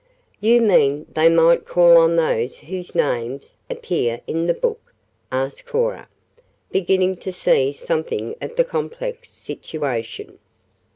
"You mean they might call on those whose names appear in the book?" asked Cora, beginning to see something of the complex situation.